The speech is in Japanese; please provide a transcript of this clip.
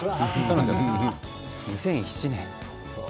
２００７年。